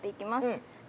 うん。